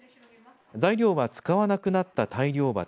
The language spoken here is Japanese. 材料は使わなくなった大漁旗